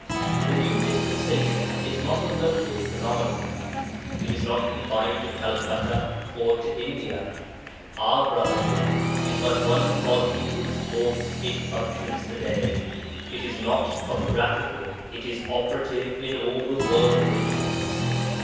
The New Dispensation is not a local phenomenon; it is not confined to Calcutta or to India; our Brotherhood is but one body whose thought it functions to day; it is not topographical, it is operative in all the world religions.'